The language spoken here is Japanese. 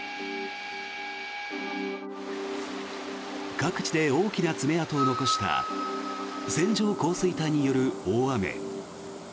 各地で大きな爪痕を残した線状降水帯による大雨。